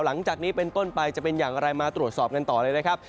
หลังจากนี้เป็นต้นไปจะเป็นอย่างไรมาตรวจสอบกันต่อเลยนะครับ